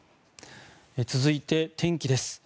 続いて天気です。